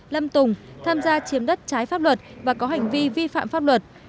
lâm tùng tham gia chiếm đất trái pháp luật và có hành vi vi phạm pháp luật